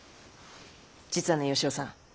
実はね吉雄さん。